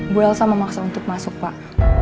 bu elsa memaksa untuk masuk pak